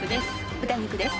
豚肉です。